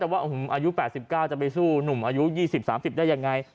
แต่ว่าอายุ๘๙จะไปสู้หนุ่มอายุ๒๐๓๐ได้ยังไง